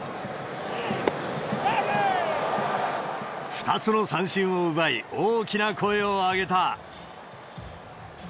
２つの三振を奪い、大きな声を上げた。